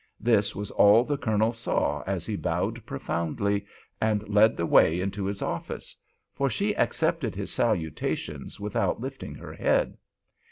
This was all the Colonel saw as he bowed profoundly and led the way into his office, for she accepted his salutations without lifting her head.